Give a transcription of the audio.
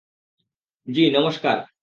জি, নমষ্কার।